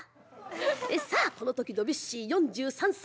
さあこの時ドビュッシー４３歳。